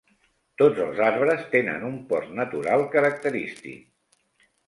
Tots els arbres tenen un port natural característic.